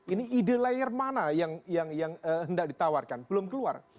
ini ide layer mana yang tidak ditawarkan belum keluar